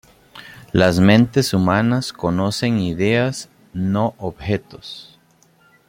Las mentes humanas conocen ideas, no objetos.